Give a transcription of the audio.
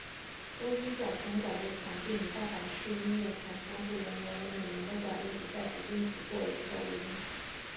东京佼成管乐团并与大阪市音乐团互相轮流为每年的管乐比赛指定曲做演奏录音。